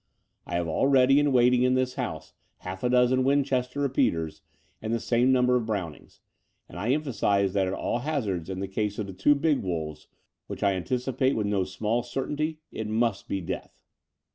I have all ready and waiting in this house half a dozen Winchester repeaters and the same number of Brownings; and I emphasize that at all hazards in the case of the two big wolves, which I anticipate with no small certainty, it must be death.